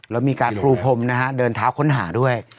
แล้วมีการปูพรมนะฮะเดินเท้าค้นหาด้วย